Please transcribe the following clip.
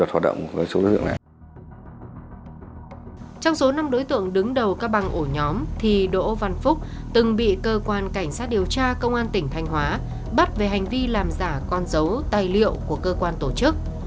trong số năm đối tượng đứng đầu các băng ổ nhóm thì đỗ văn phúc từng bị cơ quan cảnh sát điều tra công an tỉnh thanh hóa bắt về hành vi làm giả con dấu tài liệu của cơ quan tổ chức